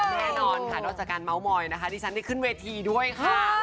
แน่นอนค่ะนอกจากการเมาส์มอยนะคะดิฉันได้ขึ้นเวทีด้วยค่ะ